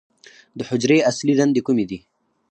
د حجرې اصلي دندې کومې دي؟